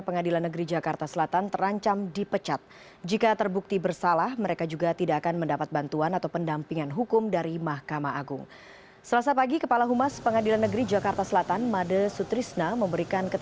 panitera pengganti dan pegawai honorer